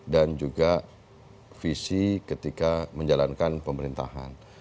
dan juga visi ketika menjalankan pemerintahan